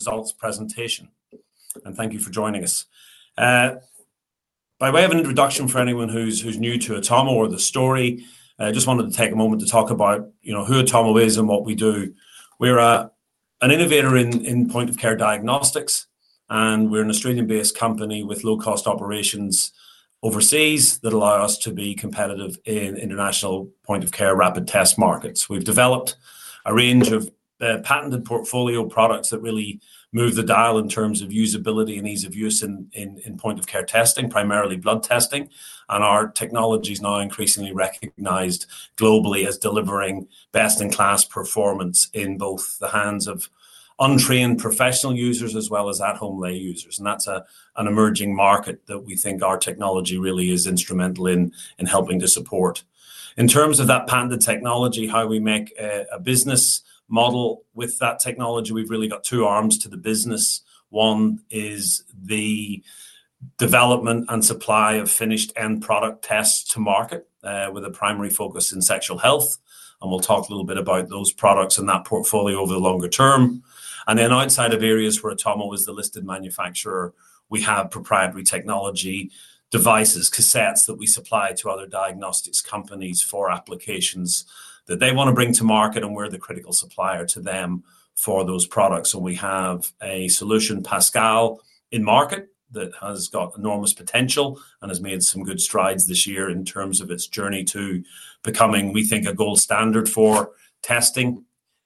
Results presentation. Thank you for joining us. By way of an introduction for anyone who's new to Atomo or the story, I just wanted to take a moment to talk about who Atomo is and what we do. We're an innovator in point-of-care diagnostics, and we're an Australian-based company with low-cost operations overseas that allow us to be competitive in international point-of-care rapid test markets. We've developed a range of patented portfolio products that really move the dial in terms of usability and ease of use in point-of-care testing, primarily blood testing. Our technology is now increasingly recognized globally as delivering best-in-class performance in both the hands of untrained professional users as well as at-home lay users. That's an emerging market that we think our technology really is instrumental in helping to support. In terms of that patented technology, how we make a business model with that technology, we've really got two arms to the business. One is the development and supply of finished end product tests to market, with a primary focus in sexual health. We'll talk a little bit about those products and that portfolio over the longer term. Outside of areas where Atomo is the listed manufacturer, we have proprietary technology devices, cassettes that we supply to other diagnostics companies for applications that they want to bring to market, and we're the critical supplier to them for those products. We have a solution, Pascal, in market that has got enormous potential and has made some good strides this year in terms of its journey to becoming, we think, a gold standard for testing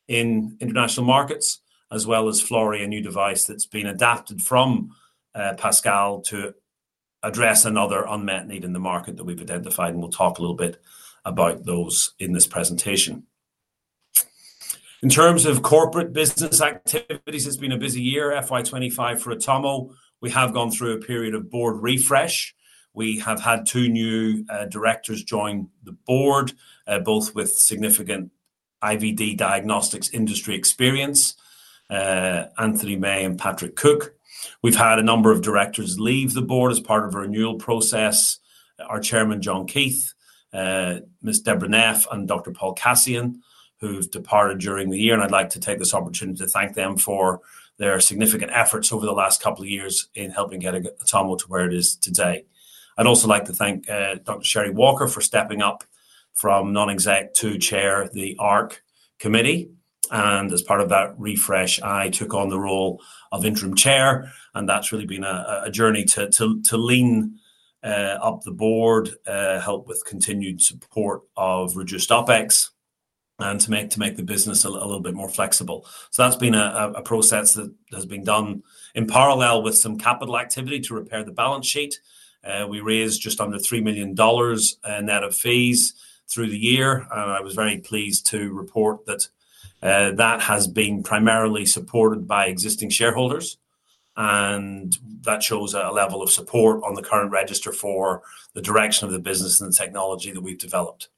in international markets, as well as Flori, a new device that's been adapted from Pascal to address another unmet need in the market that we've identified. We'll talk a little bit about those in this presentation. In terms of corporate business activities, it's been a busy year. FY2025 for Atomo, we have gone through a period of board refresh. We have had two new directors join the board, both with significant IVD diagnostics industry experience, Anthony May and Patrick Cook. We've had a number of directors leave the board as part of a renewal process: our Chairman John Keith, Ms. Deborah Neff, and Dr. Paul Cassian, who've departed during the year. I'd like to take this opportunity to thank them for their significant efforts over the last couple of years in helping getting Atomo to where it is today. I'd also like to thank Dr. Sherry Walker for stepping up from Non-Executive to chair the ARC Committee. As part of that refresh, I took on the role of Interim Chair. That's really been a journey to lean up the board, help with continued support of reduced OpEx, and to make the business a little bit more flexible. That's been a process that has been done in parallel with some capital activity to repair the balance sheet. We raised just under $3 million net of fees through the year. I was very pleased to report that that has been primarily supported by existing shareholders. That shows a level of support on the current register for the direction of the business and the technology that we've developed.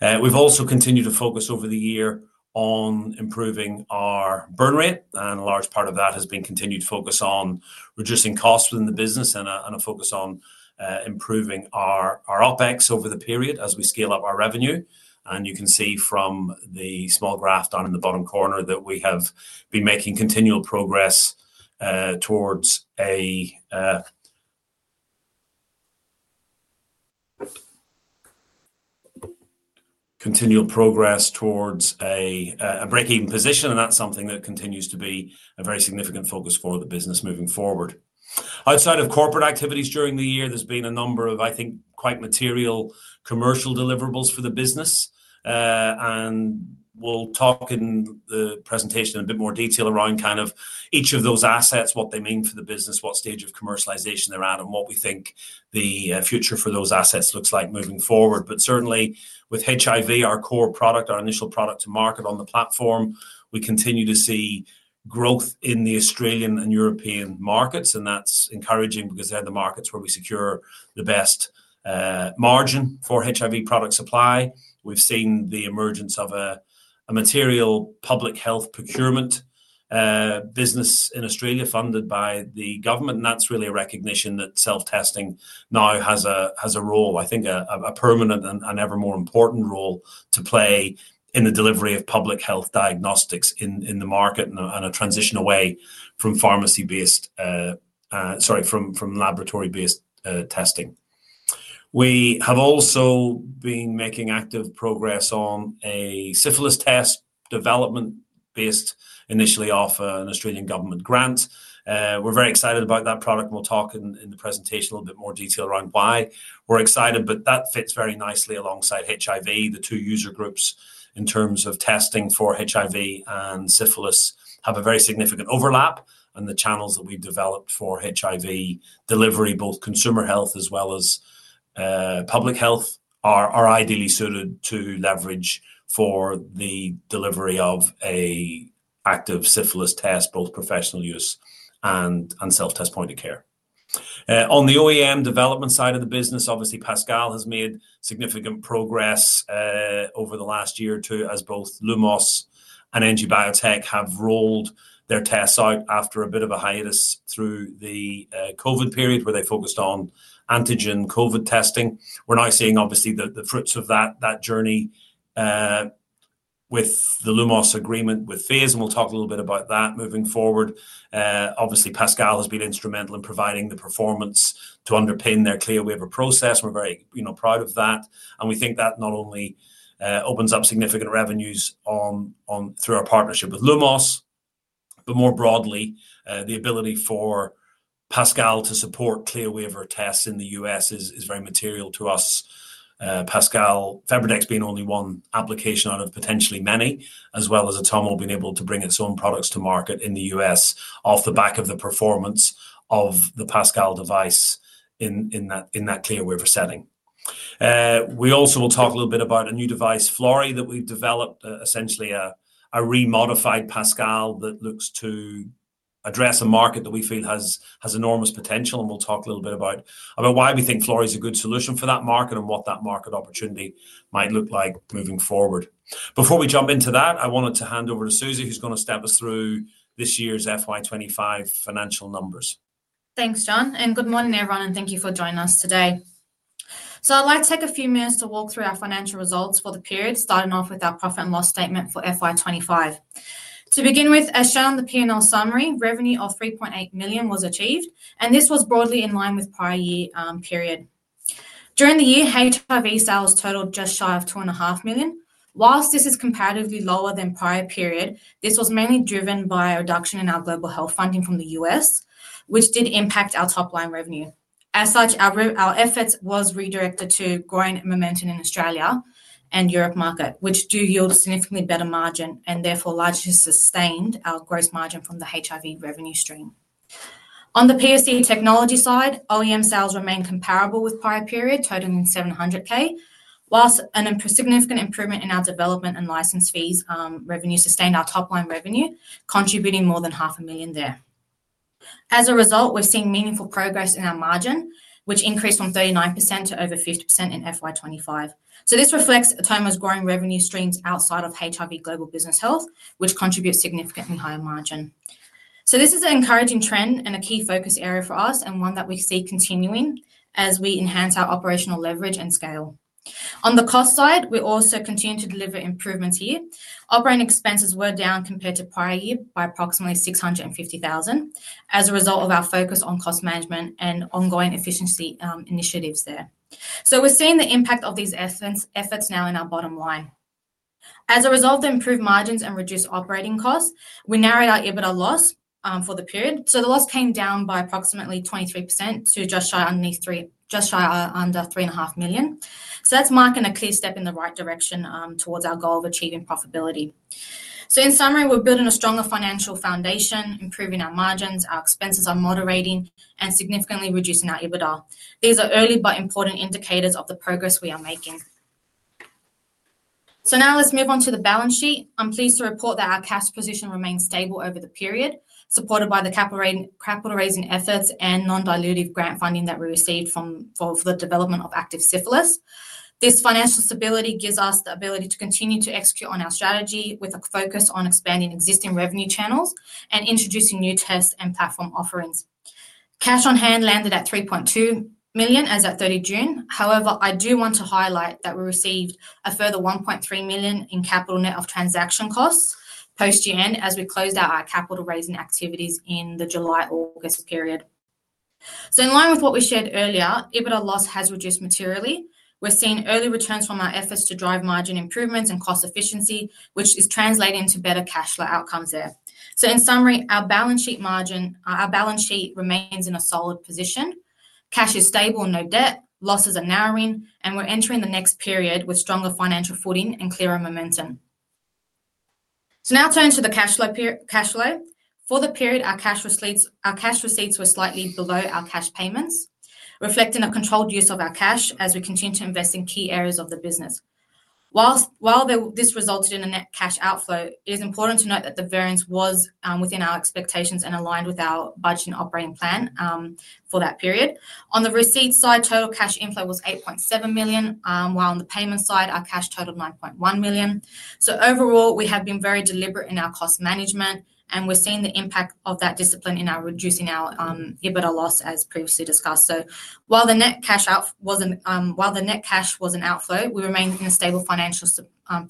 We've also continued to focus over the year on improving our burn rate. A large part of that has been continued focus on reducing costs within the business and a focus on improving our OpEx over the period as we scale up our revenue. You can see from the small graph down in the bottom corner that we have been making continual progress towards a break-even position. That's something that continues to be a very significant focus for the business moving forward. Outside of corporate activities during the year, there's been a number of, I think, quite material commercial deliverables for the business. We'll talk in the presentation in a bit more detail around each of those assets, what they mean for the business, what stage of commercialization they're at, and what we think the future for those assets looks like moving forward. Certainly, with HIV, our core product, our initial product to market on the platform, we continue to see growth in the Australian and European markets. That's encouraging because they're the markets where we secure the best margin for HIV product supply. We've seen the emergence of a material public health procurement business in Australia funded by the government. That's really a recognition that self-testing now has a role, I think, a permanent and ever more important role to play in the delivery of public health diagnostics in the market and a transition away from laboratory-based testing. We have also been making active progress on a syphilis test development based initially off an Australian government grant. We're very excited about that product. We will talk in the presentation in a little bit more detail around why we're excited. That fits very nicely alongside HIV. The two user groups in terms of testing for HIV and syphilis have a very significant overlap. The channels that we've developed for HIV delivery, both consumer health as well as public health, are ideally suited to leverage for the delivery of an active syphilis test, both professional use and self-test point of care. On the OEM development side of the business, obviously, Pascal has made significant progress over the last year or two as both Lumos and Engie Biotech have rolled their tests out after a bit of a hiatus through the COVID period where they focused on antigen COVID testing. We are now seeing the fruits of that journey with the Lumos agreement with PHASE. We will talk a little bit about that moving forward. Pascal has been instrumental in providing the performance to underpin their CLIA waiver process. We are very proud of that. We think that not only opens up significant revenues through our partnership with Lumos, but more broadly, the ability for Pascal to support CLIA waiver tests in the U.S. is very material to us. Pascal, Febrex, being only one application out of potentially many, as well as Atomo being able to bring its own products to market in the U.S. off the back of the performance of the Pascal device in that CLIA waiver setting. We also will talk a little bit about a new device, Flori, that we've developed, essentially a remodified Pascal that looks to address a market that we feel has enormous potential. We will talk a little bit about why we think Flori is a good solution for that market and what that market opportunity might look like moving forward. Before we jump into that, I wanted to hand over to Suzy, who's going to step us through this year's FY2025 financial numbers. Thanks, John. Good morning, everyone. Thank you for joining us today. I'd like to take a few minutes to walk through our financial results for the period, starting off with our profit and loss statement for FY2025. To begin with, as shown in the P&L summary, revenue of $3.8 million was achieved. This was broadly in line with the prior year period. During the year, HIV sales totaled just shy of $2.5 million. Whilst this is comparatively lower than the prior period, this was mainly driven by a reduction in our global health funding from the U.S., which did impact our top-line revenue. As such, our efforts were redirected to growing momentum in Australia and the Europe market, which do yield significantly better margin and therefore largely sustained our gross margin from the HIV revenue stream. On the Pascal technology side, OEM sales remain comparable with the prior period, totaling $700,000. Whilst a significant improvement in our development and license fees revenue sustained our top-line revenue, contributing more than half a million there. As a result, we're seeing meaningful progress in our margin, which increased from 39% to over 50% in FY2025. This reflects Atomo Diagnostics' growing revenue streams outside of HIV global health business, which contributes significantly higher margin. This is an encouraging trend and a key focus area for us and one that we see continuing as we enhance our operational leverage and scale. On the cost side, we're also continuing to deliver improvements here. Operating expenses were down compared to the prior year by approximately $650,000 as a result of our focus on cost management and ongoing efficiency initiatives. We're seeing the impact of these efforts now in our bottom line. As a result of the improved margins and reduced operating costs, we narrowed our EBITDA loss for the period. The loss came down by approximately 23% to just shy under $3.5 million. That's marking a key step in the right direction towards our goal of achieving profitability. In summary, we're building a stronger financial foundation, improving our margins, our expenses are moderating, and significantly reducing our EBITDA. These are early but important indicators of the progress we are making. Now let's move on to the balance sheet. I'm pleased to report that our cash position remains stable over the period, supported by the capital raising efforts and non-dilutive grant funding that we received for the development of active syphilis. This financial stability gives us the ability to continue to execute on our strategy with a focus on expanding existing revenue channels and introducing new tests and platform offerings. Cash on hand landed at $3.2 million as of 30 June. However, I do want to highlight that we received a further $1.3 million in capital net of transaction costs post year end as we closed out our capital raising activities in the July-August period. In line with what we shared earlier, EBITDA loss has reduced materially. We're seeing early returns from our efforts to drive margin improvements and cost efficiency, which is translating into better cash flow outcomes there. In summary, our balance sheet remains in a solid position. Cash is stable and no debt. Losses are narrowing. We're entering the next period with stronger financial footing and clearer momentum. Now turning to the cash flow. For the period, our cash receipts were slightly below our cash payments, reflecting a controlled use of our cash as we continue to invest in key areas of the business. While this resulted in a net cash outflow, it is important to note that the variance was within our expectations and aligned with our budget and operating plan for that period. On the receipts side, total cash inflow was $8.7 million, while on the payments side, our cash totaled $9.1 million. Overall, we have been very deliberate in our cost management. We're seeing the impact of that discipline in reducing our EBITDA loss as previously discussed. While the net cash was an outflow, we remained in a stable financial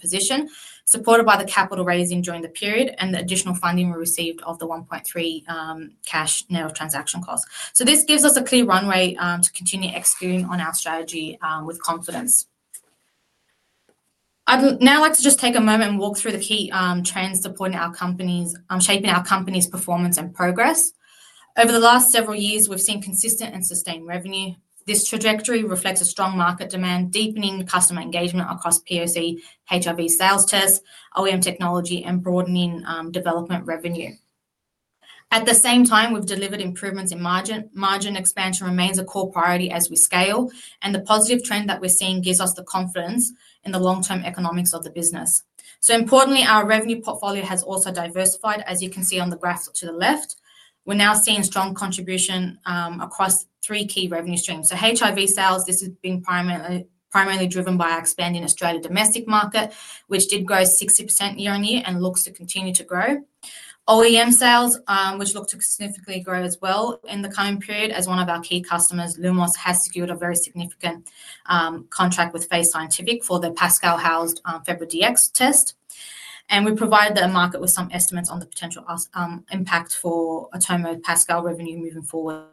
position, supported by the capital raising during the period and the additional funding we received of the $1.3 million cash net of transaction costs. This gives us a clear runway to continue executing on our strategy with confidence. I'd now like to just take a moment and walk through the key trends supporting our company's performance and progress. Over the last several years, we've seen consistent and sustained revenue. This trajectory reflects a strong market demand, deepening customer engagement across point-of-care, HIV sales tests, OEM technology, and broadening development revenue. At the same time, we've delivered improvements in margin. Margin expansion remains a core priority as we scale, and the positive trend that we're seeing gives us the confidence in the long-term economics of the business. Importantly, our revenue portfolio has also diversified, as you can see on the graph to the left. We're now seeing strong contribution across three key revenue streams. HIV sales have been primarily driven by our expanding Australia domestic market, which did grow 60% year on year and looks to continue to grow. OEM sales look to significantly grow as well in the coming period, as one of our key customers, Lumos, has secured a very significant contract with PHASE Scientific for the Pascal-housed Febrex test. We provide the market with some estimates on the potential impact for Atomo's Pascal revenue moving forward.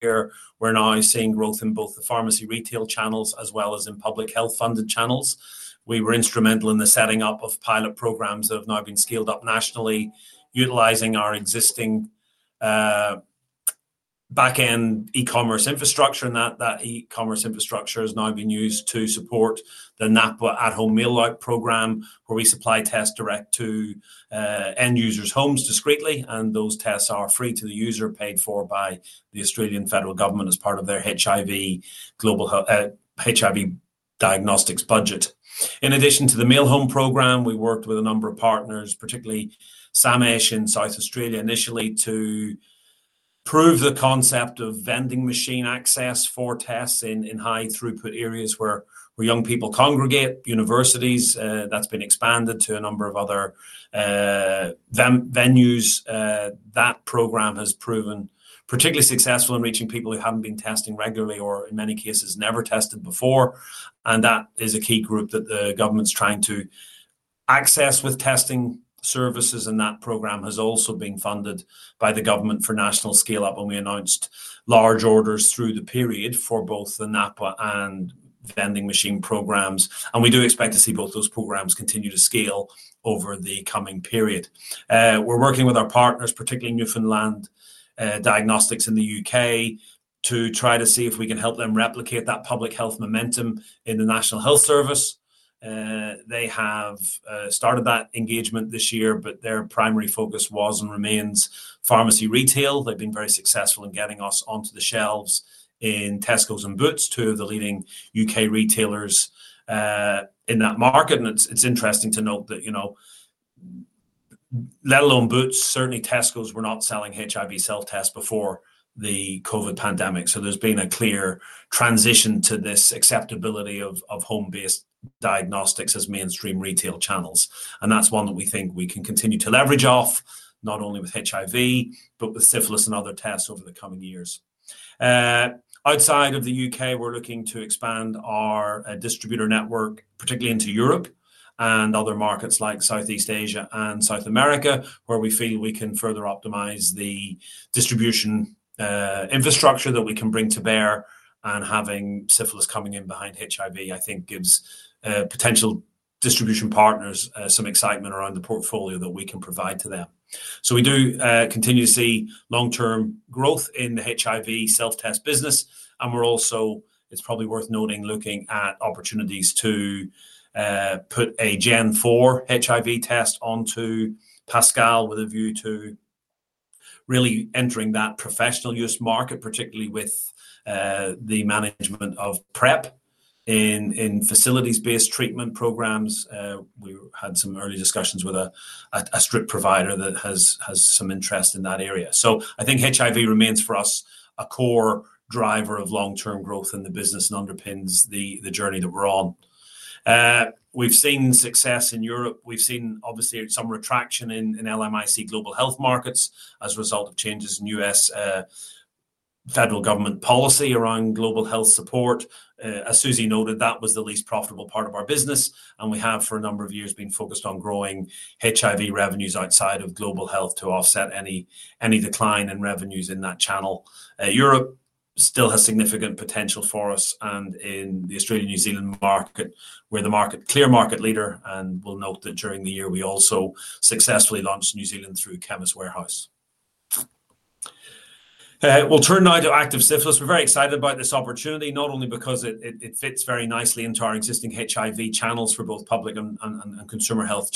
Here we're now seeing growth in both the pharmacy retail channels as well as in public health funded channels. We were instrumental in the setting up of pilot programs that have now been scaled up nationally, utilizing our existing backend e-commerce infrastructure. That e-commerce infrastructure has now been used to support the NAPA at-home mail-out program, where we supply tests direct to end users' homes discreetly. Those tests are free to the user, paid for by the Australian federal government as part of their HIV diagnostics budget. In addition to the Mail Home program, we worked with a number of partners, particularly SAMH in South Australia, initially to prove the concept of vending machine access for tests in high throughput areas where young people congregate, universities. That's been expanded to a number of other venues. That program has proven particularly successful in reaching people who haven't been testing regularly or, in many cases, never tested before. That is a key group that the government's trying to access with testing services. That program has also been funded by the government for national scale-up when we announced large orders through the period for both the NAPA and vending machine programs. We do expect to see both those programs continue to scale over the coming period. We're working with our partners, particularly Newfoundland Diagnostics in the UK, to try to see if we can help them replicate that public health momentum in the National Health Service. They have started that engagement this year, but their primary focus was and remains pharmacy retail. They've been very successful in getting us onto the shelves in Tesco and Boots, two of the leading UK retailers in that market. It's interesting to note that, let alone Boots, certainly Tesco were not selling HIV self-tests before the COVID pandemic. There's been a clear transition to this acceptability of home-based diagnostics as mainstream retail channels. That's one that we think we can continue to leverage off, not only with HIV, but with syphilis and other tests over the coming years. Outside of the UK, we're looking to expand our distributor network, particularly into Europe and other markets like Southeast Asia and South America, where we feel we can further optimize the distribution infrastructure that we can bring to bear. Having syphilis coming in behind HIV, I think, gives potential distribution partners some excitement around the portfolio that we can provide to them. We do continue to see long-term growth in the HIV self-test business. It's probably worth noting, we're also looking at opportunities to put a Gen4 HIV test onto Pascal with a view to really entering that professional use market, particularly with the management of PrEP in facilities-based treatment programs. We had some early discussions with a strip provider that has some interest in that area. I think HIV remains for us a core driver of long-term growth in the business and underpins the journey that we're on. We've seen success in Europe. We've seen, obviously, some retraction in LMIC global health markets as a result of changes in U.S. federal government policy around global health support. As Suzy noted, that was the least profitable part of our business. We have, for a number of years, been focused on growing HIV revenues outside of global health to offset any decline in revenues in that channel. Europe still has significant potential for us. In the Australia-New Zealand market, we're the clear market leader. We'll note that during the year, we also successfully launched New Zealand through Chemist Warehouse. We'll turn now to active syphilis. We're very excited about this opportunity, not only because it fits very nicely into our existing HIV channels for both public and consumer health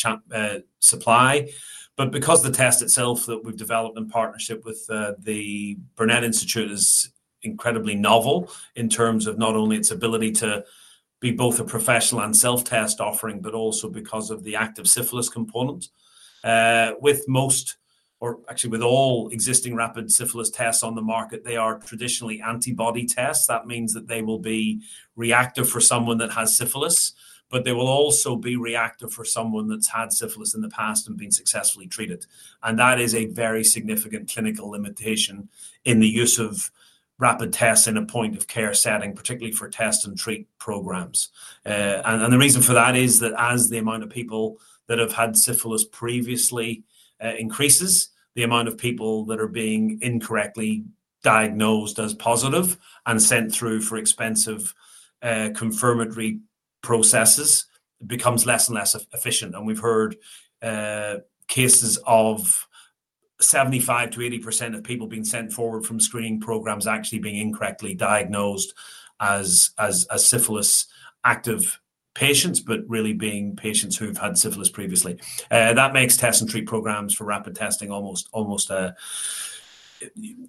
supply, but because the test itself that we've developed in partnership with the Burnet Institute is incredibly novel in terms of not only its ability to be both a professional and self-test offering, but also because of the active syphilis component. With most, or actually with all, existing rapid syphilis tests on the market, they are traditionally antibody tests. That means that they will be reactive for someone that has syphilis, but they will also be reactive for someone that's had syphilis in the past and been successfully treated. That is a very significant clinical limitation in the use of rapid tests in a point-of-care setting, particularly for test and treat programs. The reason for that is that as the amount of people that have had syphilis previously increases, the amount of people that are being incorrectly diagnosed as positive and sent through for expensive confirmatory processes becomes less and less efficient. We've heard cases of 75% to 80% of people being sent forward from screening programs actually being incorrectly diagnosed as syphilis-active patients, but really being patients who've had syphilis previously. That makes test and treat programs for rapid testing almost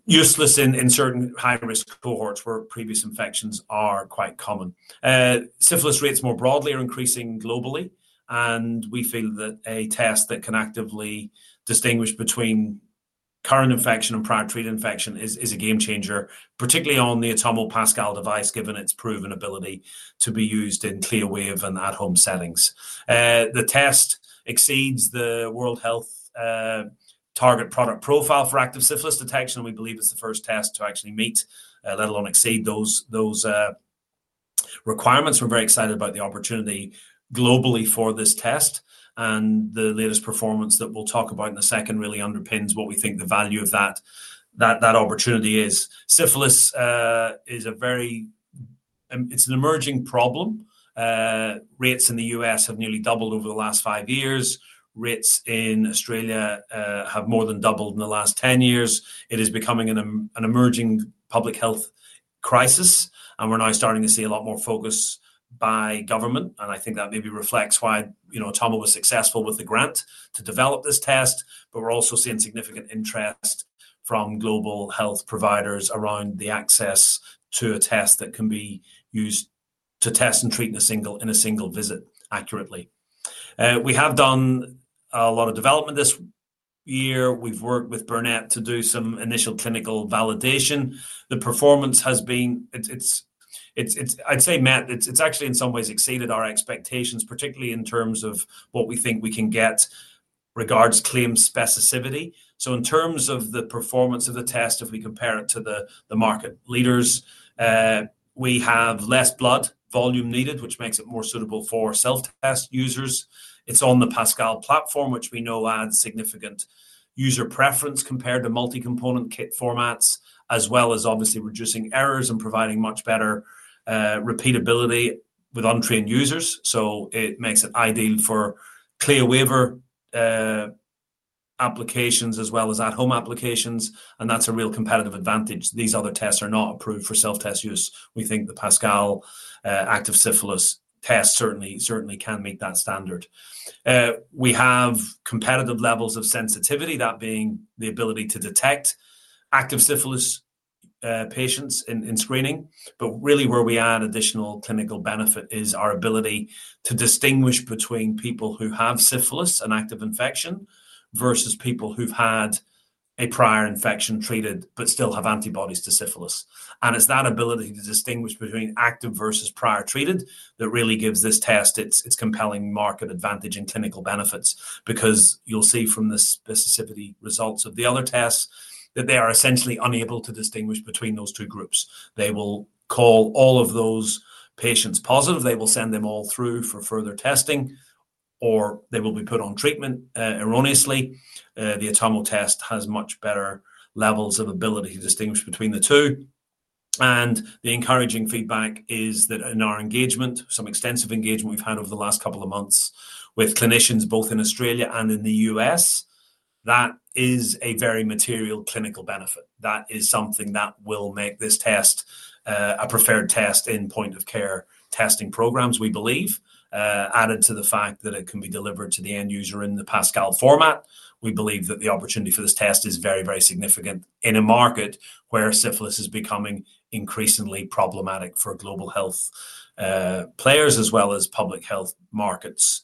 useless in certain high-risk cohorts where previous infections are quite common. Syphilis rates more broadly are increasing globally. We feel that a test that can actively distinguish between current infection and prior treated infection is a game changer, particularly on the Atomo Pascal device, given its proven ability to be used in CLIA waiver and at-home settings. The test exceeds the World Health Target Product Profile for active syphilis detection. We believe it's the first test to actually meet, let alone exceed, those requirements. We're very excited about the opportunity globally for this test. The latest performance that we'll talk about in a second really underpins what we think the value of that opportunity is. Syphilis is a very... It's an emerging problem. Rates in the U.S. have nearly doubled over the last five years. Rates in Australia have more than doubled in the last 10 years. It is becoming an emerging public health crisis. We're now starting to see a lot more focus by government. I think that maybe reflects why Atomo was successful with the grant to develop this test. We are also seeing significant interest from global health providers around the access to a test that can be used to test and treat in a single visit accurately. We have done a lot of development this year. We've worked with Burnet Institute to do some initial clinical validation. The performance has been, I'd say, met. It's actually, in some ways, exceeded our expectations, particularly in terms of what we think we can get regarding claim specificity. In terms of the performance of the test, if we compare it to the market leaders, we have less blood volume needed, which makes it more suitable for self-test users. It's on the Pascal platform, which we know adds significant user preference compared to multi-component kit formats, as well as obviously reducing errors and providing much better repeatability with untrained users. It makes it ideal for CLIA waiver applications as well as at-home applications. That is a real competitive advantage. These other tests are not approved for self-test use. We think the Pascal active syphilis test certainly can meet that standard. We have competitive levels of sensitivity, that being the ability to detect active syphilis patients in screening. Where we add additional clinical benefit is our ability to distinguish between people who have syphilis, an active infection, versus people who've had a prior infection treated but still have antibodies to syphilis. It's that ability to distinguish between active versus prior treated that really gives this test its compelling market advantage in clinical benefits. You will see from the specificity results of the other tests that they are essentially unable to distinguish between those two groups. They will call all of those patients positive. They will send them all through for further testing, or they will be put on treatment erroneously. The Atomo Diagnostics test has much better levels of ability to distinguish between the two. The encouraging feedback is that in our engagement, some extensive engagement we've had over the last couple of months with clinicians both in Australia and in the U.S., that is a very material clinical benefit. That is something that will make this test a preferred test in point-of-care testing programs, we believe, added to the fact that it can be delivered to the end user in the Pascal format. We believe that the opportunity for this test is very, very significant in a market where syphilis is becoming increasingly problematic for global health players as well as public health markets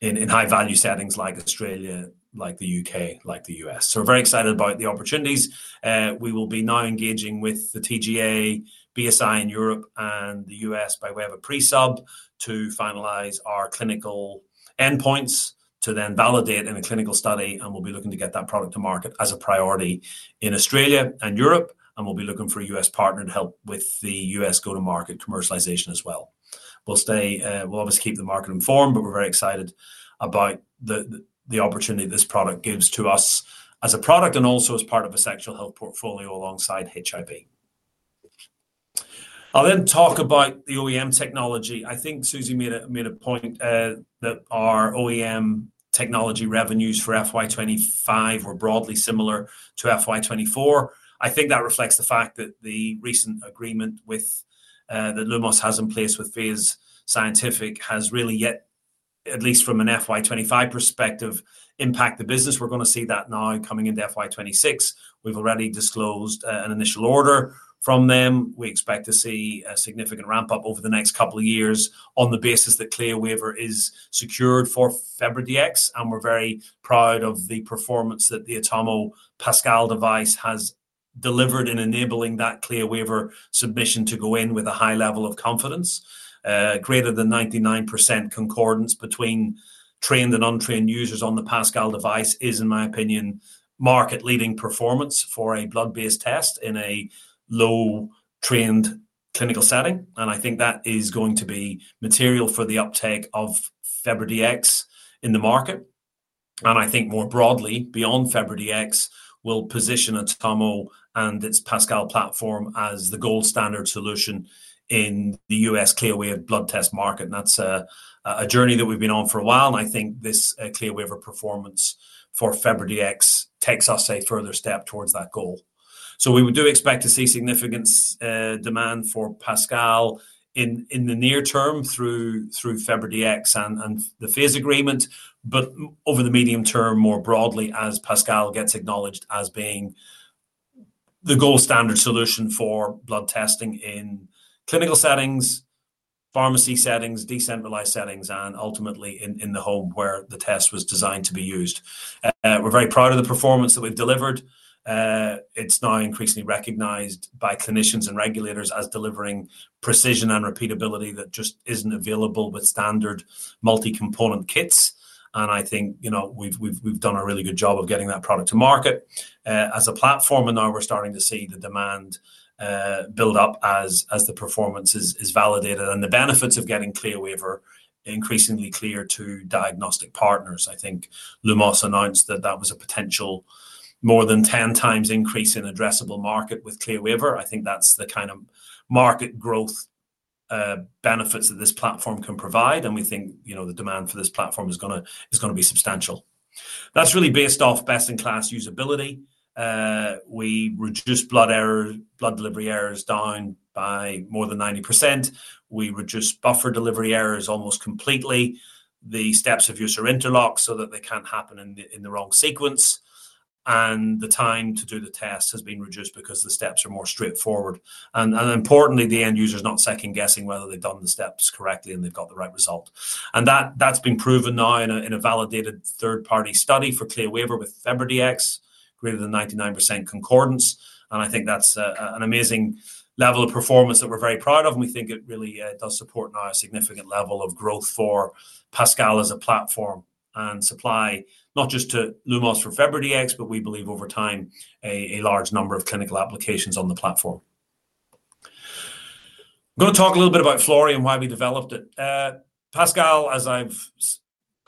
in high-value settings like Australia, like the UK, like the U.S. We're very excited about the opportunities. We will now be engaging with the TGA, BSI in Europe, and the U.S. by way of a pre-sub to finalize our clinical endpoints to then validate in a clinical study. We'll be looking to get that product to market as a priority in Australia and Europe, and we'll be looking for a U.S. partner to help with the U.S. go-to-market commercialization as well. We'll obviously keep the market informed, but we're very excited about the opportunity this product gives to us as a product and also as part of a sexual health portfolio alongside HIV. I'll then talk about the OEM technology. I think Suzy made a point that our OEM technology revenues for FY2025 were broadly similar to FY2024. I think that reflects the fact that the recent agreement that Lumos has in place with PHASE Scientific has really yet, at least from an FY2025 perspective, impacted the business. We're going to see that now coming into FY2026. We've already disclosed an initial order from them. We expect to see a significant ramp-up over the next couple of years on the basis that CLIA waiver is secured for Febrex. We're very proud of the performance that the Atomo Pascal device has delivered in enabling that CLIA waiver submission to go in with a high level of confidence. Greater than 99% concordance between trained and untrained users on the Pascal device is, in my opinion, market-leading performance for a blood-based test in a low-trained clinical setting. I think that is going to be material for the uptake of Febrex in the market. I think more broadly, beyond Febrex, we'll position Atomo and its Pascal platform as the gold standard solution in the U.S. CLIA waiver blood test market. That's a journey that we've been on for a while, and I think this CLIA waiver performance for Febrex takes us a further step towards that goal. We do expect to see significant demand for Pascal in the near term through Febrex and the PHASE agreement, but over the medium term, more broadly, as Pascal gets acknowledged as being the gold standard solution for blood testing in clinical settings, pharmacy settings, decentralized settings, and ultimately in the home where the test was designed to be used. We're very proud of the performance that we've delivered. It's now increasingly recognized by clinicians and regulators as delivering precision and repeatability that just isn't available with standard multi-component kits. I think we've done a really good job of getting that product to market as a platform. Now we're starting to see the demand build up as the performance is validated, and the benefits of getting CLIA waiver are increasingly clear to diagnostic partners. I think Lumos announced that that was a potential more than 10 times increase in addressable market with CLIA waiver. That's the kind of market growth benefits that this platform can provide. We think the demand for this platform is going to be substantial. That's really based off best-in-class usability. We reduce blood delivery errors down by more than 90%. We reduce buffer delivery errors almost completely. The steps are user interlocked so that they can't happen in the wrong sequence, and the time to do the test has been reduced because the steps are more straightforward. Importantly, the end user is not second-guessing whether they've done the steps correctly and they've got the right result. That's been proven now in a validated third-party study for CLIA waiver with Febrex, greater than 99% concordance. I think that's an amazing level of performance that we're very proud of, and we think it really does support now a significant level of growth for Pascal as a platform and supply, not just to Lumos for Febrex, but we believe over time a large number of clinical applications on the platform. I'm going to talk a little bit about Flori and why we developed it. Pascal, as I've,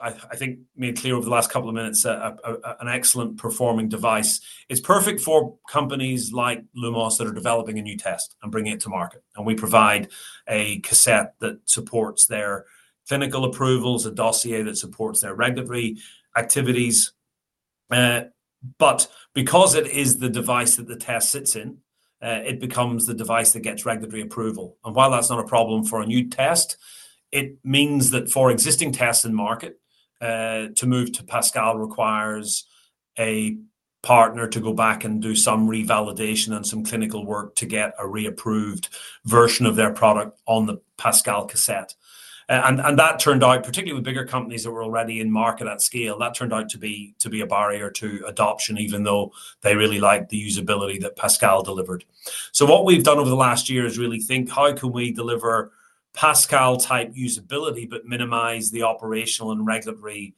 I think, made clear over the last couple of minutes, is an excellent performing device. It's perfect for companies like Lumos that are developing a new test and bringing it to market. We provide a cassette that supports their clinical approvals, a dossier that supports their regulatory activities. Because it is the device that the test sits in, it becomes the device that gets regulatory approval. While that's not a problem for a new test, it means that for existing tests in the market, to move to Pascal requires a partner to go back and do some revalidation and some clinical work to get a reapproved version of their product on the Pascal cassette. That turned out, particularly with bigger companies that were already in market at scale, to be a barrier to adoption, even though they really liked the usability that Pascal delivered. Over the last year, we've really thought, how can we deliver Pascal-type usability but minimize the operational and regulatory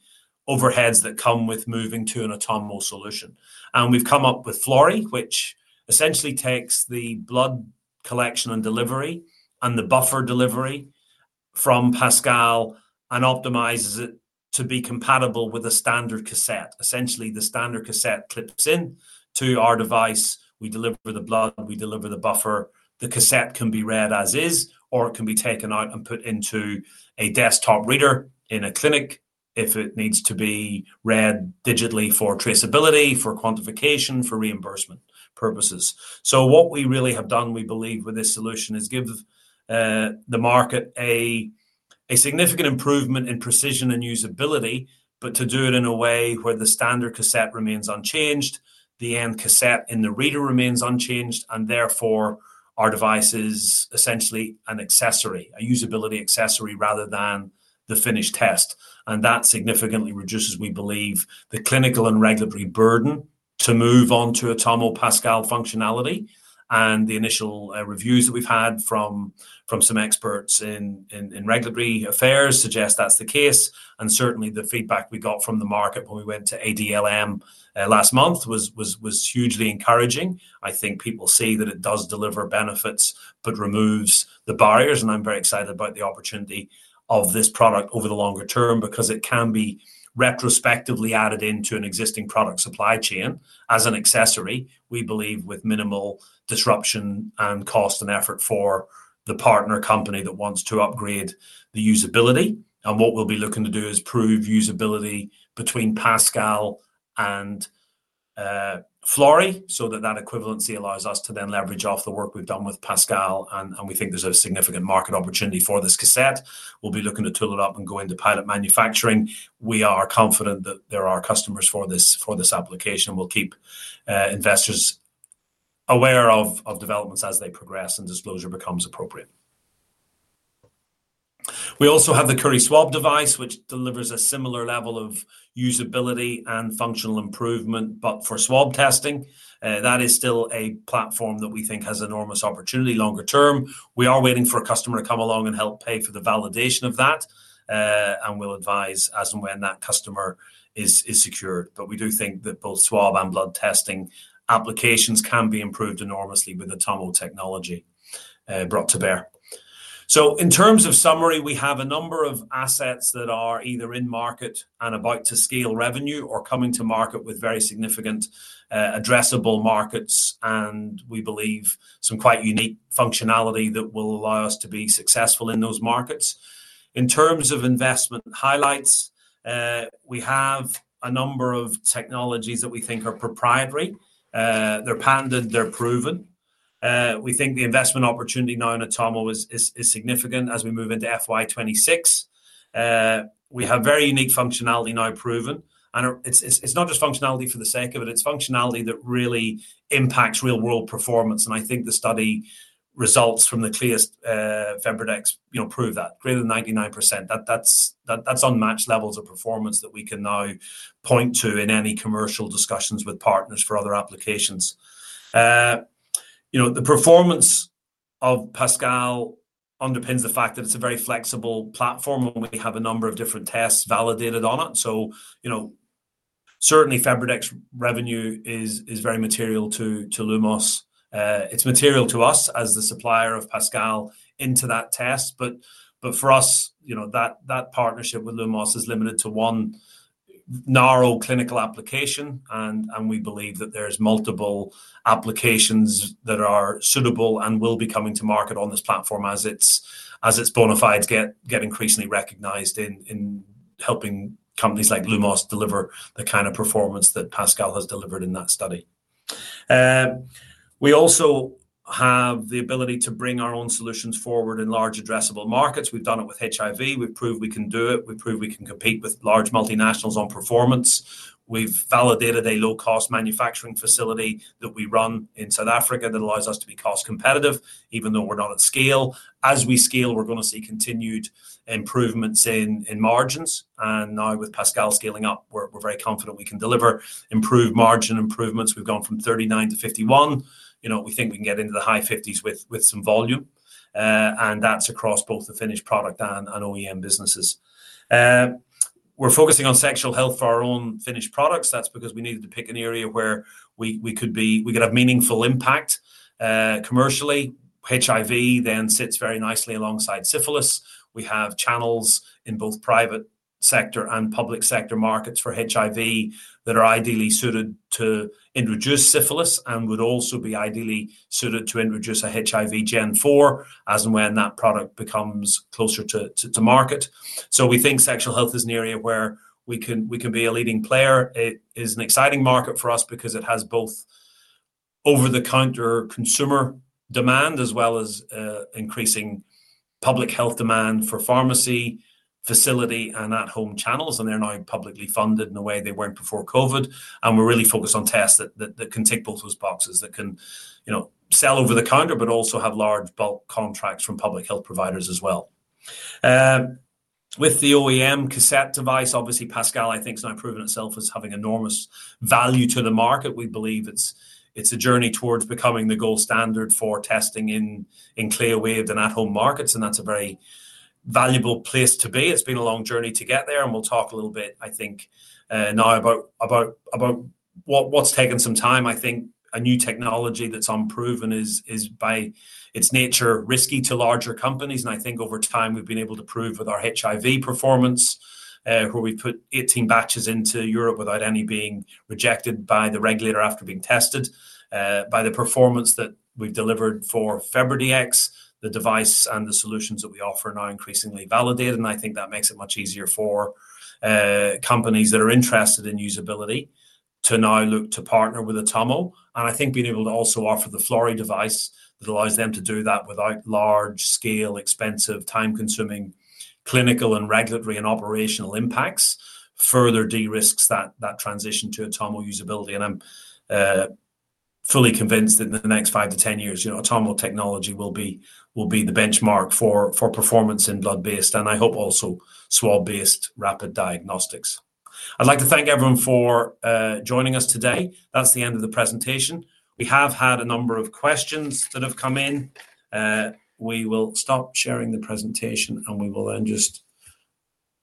overheads that come with moving to an Atomo solution? We've come up with Flori, which essentially takes the blood collection and delivery and the buffer delivery from Pascal and optimizes it to be compatible with a standard cassette. The standard cassette clips in to our device. We deliver the blood. We deliver the buffer. The cassette can be read as is, or it can be taken out and put into a desktop reader in a clinic if it needs to be read digitally for traceability, for quantification, for reimbursement purposes. What we really have done, we believe, with this solution is give the market a significant improvement in precision and usability, but to do it in a way where the standard cassette remains unchanged, the end cassette in the reader remains unchanged. Therefore, our device is essentially an accessory, a usability accessory rather than the finished test. That significantly reduces, we believe, the clinical and regulatory burden to move on to Atomo Pascal functionality. The initial reviews that we've had from some experts in regulatory affairs suggest that's the case. Certainly, the feedback we got from the market when we went to ADLM last month was hugely encouraging. I think people see that it does deliver benefits but removes the barriers. I'm very excited about the opportunity of this product over the longer term because it can be retrospectively added into an existing product supply chain as an accessory, we believe, with minimal disruption and cost and effort for the partner company that wants to upgrade the usability. What we'll be looking to do is prove usability between Pascal and Flori so that that equivalency allows us to then leverage off the work we've done with Pascal. We think there's a significant market opportunity for this cassette. We'll be looking to tool it up and go into pilot manufacturing. We are confident that there are customers for this application. We'll keep investors aware of developments as they progress and disclosure becomes appropriate. We also have the Curie Swab device, which delivers a similar level of usability and functional improvement, but for swab testing. That is still a platform that we think has enormous opportunity longer term. We are waiting for a customer to come along and help pay for the validation of that. We'll advise as and when that customer is secured. We do think that both swab and blood testing applications can be improved enormously with Atomo technology brought to bear. In terms of summary, we have a number of assets that are either in market and about to scale revenue or coming to market with very significant addressable markets. We believe some quite unique functionality that will allow us to be successful in those markets. In terms of investment highlights, we have a number of technologies that we think are proprietary. They're patented. They're proven. We think the investment opportunity now in Atomo is significant as we move into FY2026. We have very unique functionality now proven. It's not just functionality for the sake of it. It's functionality that really impacts real-world performance. I think the study results from the clearest Febrex prove that. Greater than 99%. That's unmatched levels of performance that we can now point to in any commercial discussions with partners for other applications. The performance of Pascal underpins the fact that it's a very flexible platform. We have a number of different tests validated on it. Certainly, Febrex revenue is very material to Lumos. It's material to us as the supplier of Pascal into that test. For us, that partnership with Lumos is limited to one narrow clinical application. We believe that there's multiple applications that are suitable and will be coming to market on this platform as its bona fides gets increasingly recognized in helping companies like Lumos deliver the kind of performance that Pascal has delivered in that study. We also have the ability to bring our own solutions forward in large addressable markets. We've done it with HIV. We've proved we can do it. We've proved we can compete with large multinationals on performance. We've validated a low-cost manufacturing facility that we run in South Africa that allows us to be cost-competitive, even though we're not at scale. As we scale, we're going to see continued improvements in margins. Now, with Pascal scaling up, we're very confident we can deliver improved margin improvements. We've gone from 39% to 51%. We think we can get into the high 50% with some volume. That's across both the finished product and OEM businesses. We're focusing on sexual health for our own finished products. That's because we needed to pick an area where we could have meaningful impact commercially. HIV then sits very nicely alongside syphilis. We have channels in both private sector and public sector markets for HIV that are ideally suited to introduce syphilis and would also be ideally suited to introduce a HIV Gen4 as and when that product becomes closer to market. We think sexual health is an area where we can be a leading player. It is an exciting market for us because it has both over-the-counter consumer demand as well as increasing public health demand for pharmacy, facility, and at-home channels. They're now publicly funded in the way they weren't before COVID. We're really focused on tests that can tick both those boxes, that can sell over the counter, but also have large bulk contracts from public health providers as well. With the OEM cassette device, obviously, Pascal, I think, has now proven itself as having enormous value to the market. We believe it's a journey towards becoming the gold standard for testing in CLIA waived and at-home markets. That's a very valuable place to be. It's been a long journey to get there. We'll talk a little bit, I think, now about what's taken some time. I think a new technology that's unproven is, by its nature, risky to larger companies. Over time, we've been able to prove with our HIV performance, where we put 18 batches into Europe without any being rejected by the regulator after being tested, by the performance that we've delivered for Febrex, the device and the solutions that we offer are now increasingly validated. I think that makes it much easier for companies that are interested in usability to now look to partner with Atomo. I think being able to also offer the Flori device that allows them to do that without large-scale, expensive, time-consuming clinical and regulatory and operational impacts further de-risks that transition to Atomo usability. I'm fully convinced that in the next 5 to 10 years, Atomo technology will be the benchmark for performance in blood-based and I hope also swab-based rapid diagnostics. I'd like to thank everyone for joining us today. That's the end of the presentation. We have had a number of questions that have come in. We will stop sharing the presentation. We will then just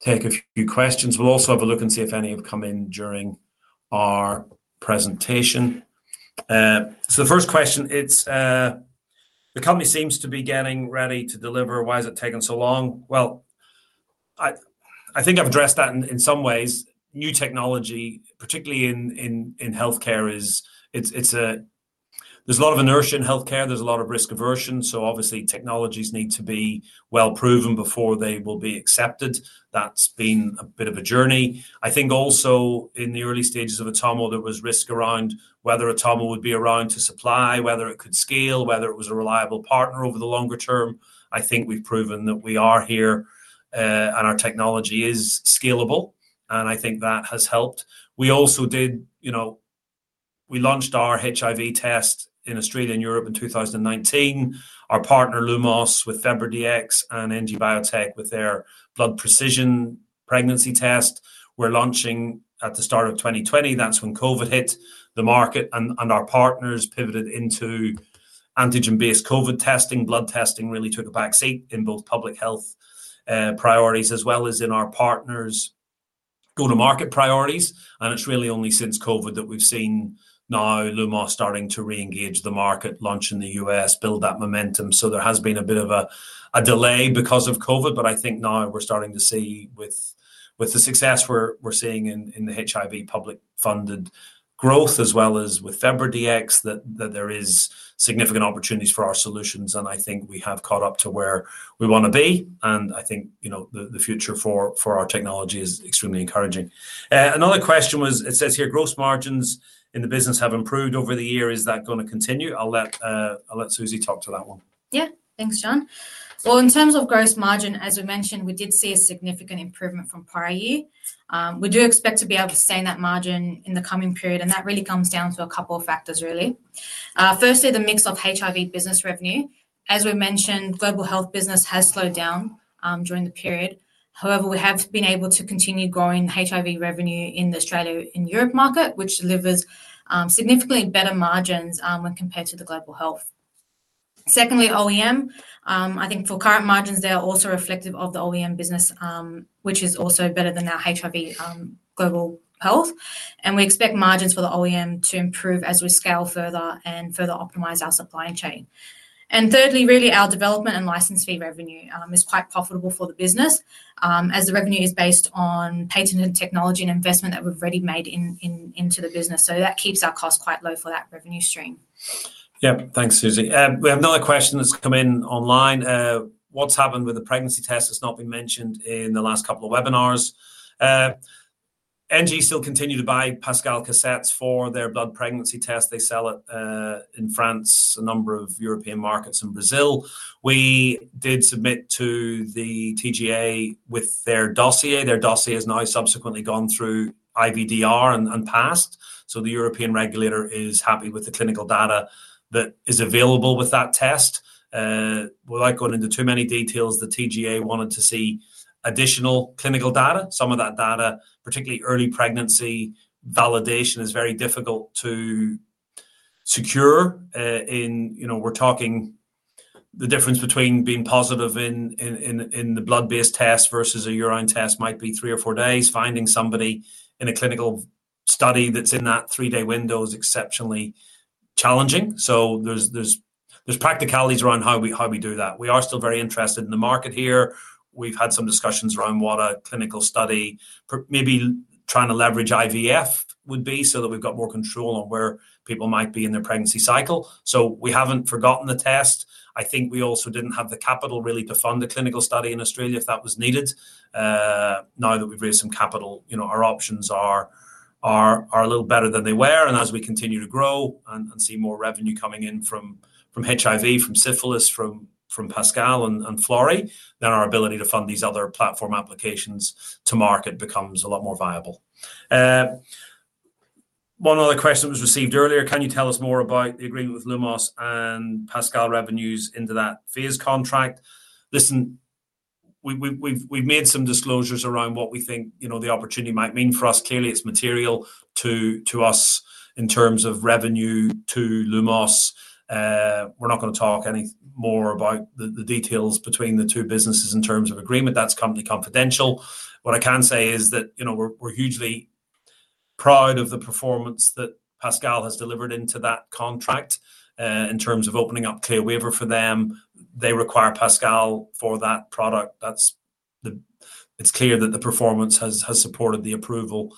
take a few questions. We'll also have a look and see if any have come in during our presentation. The first question, it's the company seems to be getting ready to deliver. Why has it taken so long? I think I've addressed that in some ways. New technology, particularly in health care, is there's a lot of inertia in health care. There's a lot of risk aversion. Obviously, technologies need to be well proven before they will be accepted. That's been a bit of a journey. I think also in the early stages of Atomo, there was risk around whether Atomo would be around to supply, whether it could scale, whether it was a reliable partner over the longer term. I think we've proven that we are here. Our technology is scalable. I think that has helped. We also did, you know, we launched our HIV test in Australia and Europe in 2019. Our partner, Lumos, with Febrex and Engie Biotech with their blood precision pregnancy test were launching at the start of 2020. That's when COVID hit the market. Our partners pivoted into antigen-based COVID testing. Blood testing really took a back seat in both public health priorities as well as in our partners' go-to-market priorities. It's really only since COVID that we've seen now Lumos starting to re-engage the market, launch in the U.S., build that momentum. There has been a bit of a delay because of COVID. I think now we're starting to see with the success we're seeing in the HIV public-funded growth as well as with Febrex, that there are significant opportunities for our solutions. I think we have caught up to where we want to be. I think the future for our technology is extremely encouraging. Another question was, it says here, gross margins in the business have improved over the year. Is that going to continue? I'll let Suzy talk to that one. Yeah. Thanks, John. In terms of gross margin, as we mentioned, we did see a significant improvement from prior. We do expect to be able to stay in that margin in the coming period. That really comes down to a couple of factors, really. Firstly, the mix of HIV business revenue. As we mentioned, global health business has slowed down during the period. However, we have been able to continue growing HIV revenue in the Australia and Europe market, which delivers significantly better margins when compared to the global health. Secondly, OEM. I think for current margins, they are also reflective of the OEM business, which is also better than our HIV global health. We expect margins for the OEM to improve as we scale further and further optimize our supply chain. Thirdly, really, our development and license fee revenue is quite profitable for the business, as the revenue is based on patented technology and investment that we've already made into the business. That keeps our costs quite low for that revenue stream. Yeah. Thanks, Suzy. We have another question that's come in online. What's happened with the pregnancy test that's not been mentioned in the last couple of webinars? Engie still continues to buy Pascal cassettes for their blood pregnancy test. They sell it in France, a number of European markets, and Brazil. We did submit to the TGA with their dossier. Their dossier has now subsequently gone through IVDR and passed. The European regulator is happy with the clinical data that is available with that test. Without going into too many details, the TGA wanted to see additional clinical data. Some of that data, particularly early pregnancy validation, is very difficult to secure. We're talking the difference between being positive in the blood-based test versus a urine test might be three or four days. Finding somebody in a clinical study that's in that three-day window is exceptionally challenging. There are practicalities around how we do that. We are still very interested in the market here. We've had some discussions around what a clinical study, maybe trying to leverage IVF, would be so that we've got more control on where people might be in their pregnancy cycle. We haven't forgotten the test. I think we also didn't have the capital really to fund a clinical study in Australia if that was needed. Now that we've raised some capital, our options are a little better than they were. As we continue to grow and see more revenue coming in from HIV, from syphilis, from Pascal, and Flori, then our ability to fund these other platform applications to market becomes a lot more viable. One other question was received earlier. Can you tell us more about the agreement with Lumos and Pascal revenues into that PHASE contract? Listen, we've made some disclosures around what we think the opportunity might mean for us. Clearly, it's material to us in terms of revenue to Lumos. We're not going to talk any more about the details between the two businesses in terms of agreement. That's company confidential. What I can say is that we're hugely proud of the performance that Pascal has delivered into that contract in terms of opening up CLIA waiver for them. They require Pascal for that product. It's clear that the performance has supported the approval.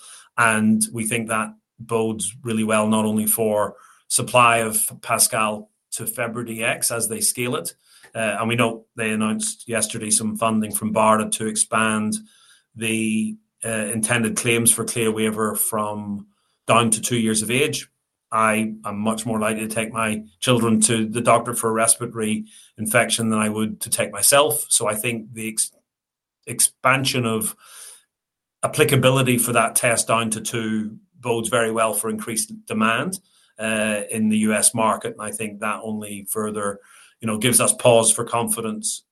We think that bodes really well, not only for supply of Pascal to Febrex as they scale it. We know they announced yesterday some funding from BARDA to expand the intended claims for CLIA waiver from down to two years of age. I am much more likely to take my children to the doctor for a respiratory infection than I would to take myself. I think the expansion of applicability for that test down to two bodes very well for increased demand in the U.S. market. I think that only further gives us pause for confidence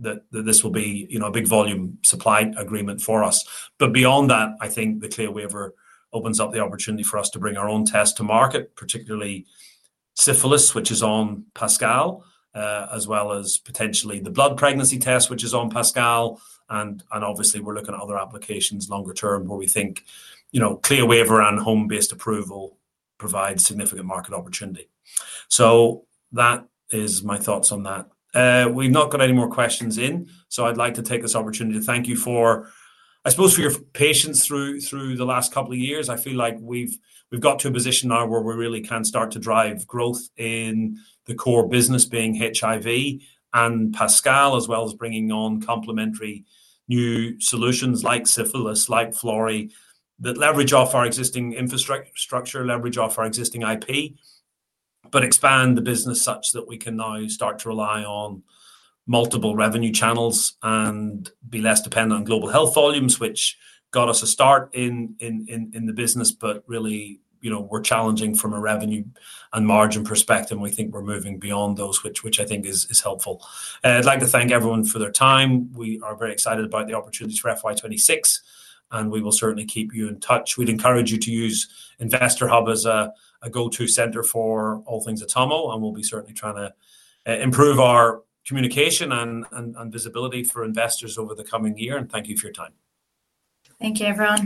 that this will be a big volume supply agreement for us. Beyond that, I think the CLIA waiver opens up the opportunity for us to bring our own test to market, particularly syphilis, which is on Pascal, as well as potentially the blood pregnancy test, which is on Pascal. Obviously, we're looking at other applications longer term where we think CLIA waiver and home-based approval provide significant market opportunity. That is my thoughts on that. We've not got any more questions in. I'd like to take this opportunity to thank you, I suppose, for your patience through the last couple of years. I feel like we've got to a position now where we really can start to drive growth in the core business being HIV and Pascal, as well as bringing on complementary new solutions like syphilis, like Flori, that leverage off our existing infrastructure, leverage off our existing IP, but expand the business such that we can now start to rely on multiple revenue channels and be less dependent on global health volumes, which got us a start in the business. Really, we're challenging from a revenue and margin perspective. We think we're moving beyond those, which I think is helpful. I'd like to thank everyone for their time. We are very excited about the opportunities for FY26. We will certainly keep you in touch. We'd encourage you to use Investor Hub as a go-to center for all things Atomo. We'll be certainly trying to improve our communication and visibility for investors over the coming year. Thank you for your time. Thank you, everyone.